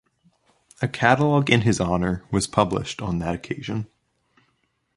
A catalog in his honor was published on that occasion.